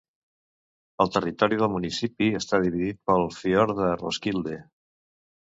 El territori del municipi està dividit pel fiord de Roskilde.